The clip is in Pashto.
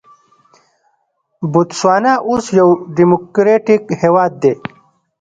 بوتسوانا اوس یو ډیموکراټیک هېواد دی.